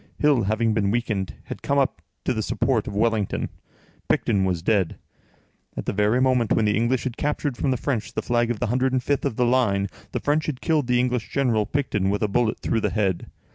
Hill, having been weakened, had come up to the support of Wellington; Picton was dead. At the very moment when the English had captured from the French the flag of the 105th of the line, the French had killed the English general, Picton, with a bullet through the head.